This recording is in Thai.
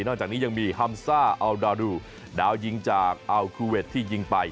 จากนี้ยังมีฮัมซ่าอัลดาดูดาวยิงจากอัลคูเวทที่ยิงไป